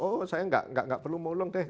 oh saya nggak perlu mulung deh